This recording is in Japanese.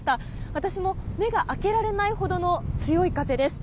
私も目が開けられないほどの強い風です。